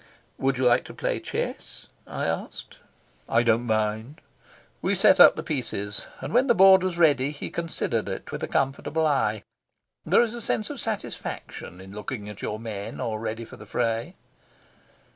"Would you like to play chess?" I asked. "I don't mind." We set up the pieces, and when the board was ready he considered it with a comfortable eye. There is a sense of satisfaction in looking at your men all ready for the fray.